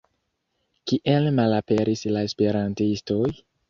Kien malaperis la esperantistoj?